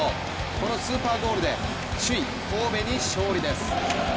このスーパーゴールで、首位神戸に勝利です。